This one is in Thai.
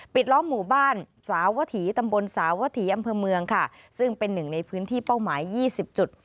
ล้อมหมู่บ้านสาวถีตำบลสาวถีอำเภอเมืองค่ะซึ่งเป็นหนึ่งในพื้นที่เป้าหมาย๒๐จุด